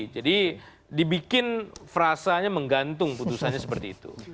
jadi dibikin frasanya menggantung putusannya seperti itu